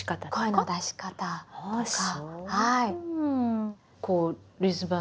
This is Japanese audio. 声の出し方とか。